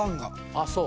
あっそう？